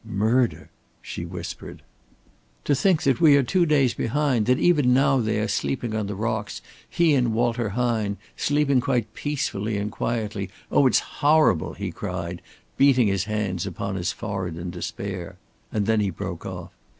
"Murder!" she whispered. "To think that we are two days behind, that even now they are sleeping on the rocks, he and Walter Hine, sleeping quite peacefully and quietly. Oh, it's horrible!" he cried, beating his hands upon his forehead in despair, and then he broke off.